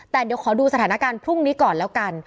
แต่เดี๋ยวขอดูสถานการณ์พรุ่งนี้ก่อนแล้วกัน